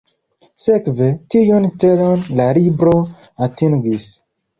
Sekve, tiun celon la libro atingis.